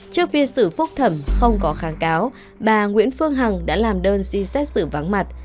trước phiên xử phúc thẩm không có kháng cáo bà nguyễn phương hằng đã làm đơn xin xét xử vắng mặt